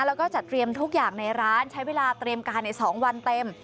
แล้วก็จัดเตรียมทุกอย่างในร้านใช้เวลาเตรียมการใน๒วันเต็ม